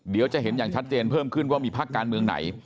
เดี๋ยวจะเห็นอย่างชัดเจนเพิ่มขึ้นว่ามีภาคการเมืองไหน